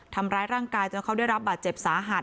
ทำร้ายร่างกายจนเขาได้รับบาดเจ็บสาหัส